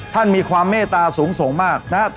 ท่านมีความเมตตาสูงส่งมากนะครับ